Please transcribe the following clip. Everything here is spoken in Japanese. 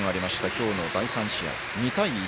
今日の第３試合、２対１。